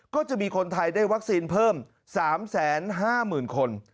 ก็จะมีคนไทยได้วัคซีนเพิ่ม๓๕๐๐๐คน